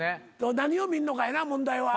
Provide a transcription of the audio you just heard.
何を見んのかやな問題は。